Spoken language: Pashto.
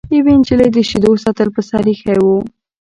یوې نجلۍ د شیدو سطل په سر ایښی و.